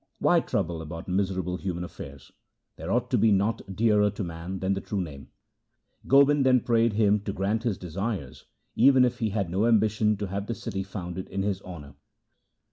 ' Why trouble about miserable human affairs ? There ought to be naught dearer to man than the True Name.' Gobind then prayed him to grant his desires, even if he had no ambition to have the city founded in his honour.